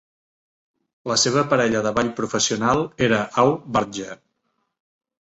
La seva parella de ball professional era Au Vardja.